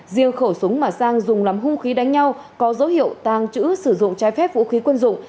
riêng khẩu súng mà sang dùng làm hung khí đánh nhau có dấu hiệu tàng trữ sử dụng trái phép vũ khí quân dụng